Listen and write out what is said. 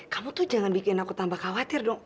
kamu tuh jangan bikin aku tambah khawatir dong